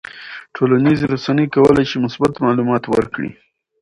ټولنیزې رسنۍ کولی شي مثبت معلومات ورکړي.